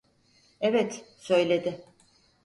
Evet, söyledi.